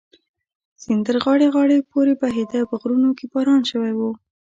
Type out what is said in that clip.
سیند تر غاړې غاړې پورې بهېده، په غرونو کې باران شوی و.